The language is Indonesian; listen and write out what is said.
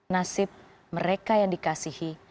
nasib mereka yang dikasihi